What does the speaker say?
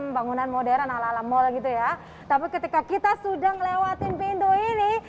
pembangunan modern ala ala mall gitu ya tapi ketika kita sudah ngelewatin pintu ini